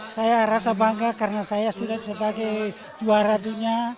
saya rasa bangga karena saya sudah sebagai juara dunia